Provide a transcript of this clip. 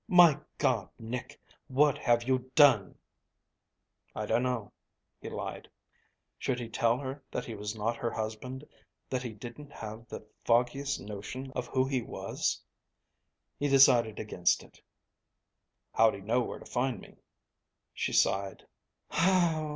My God, Nick! What have you done?" "I dunno," he lied. Should he tell her that he was not her husband, that he didn't have the foggiest notion of who he was? He decided against it. "How'd he know where to find me?" She sighed.